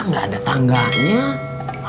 gak ada tangganya